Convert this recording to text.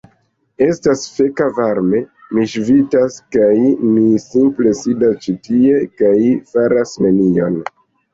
Estas feka varme. Mi ŝvitas kaj mi simple sidas ĉi tie kaj faras nenion.